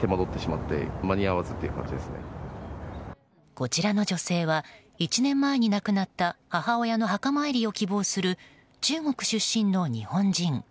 こちらの女性は１年前に亡くなった母親の墓参りを希望する中国出身の日本人。